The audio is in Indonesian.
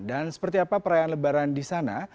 dan seperti apa perayaan lebaran di sana